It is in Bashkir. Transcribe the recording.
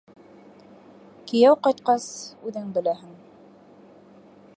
Кейәү ҡайтҡас, үҙең беләһең...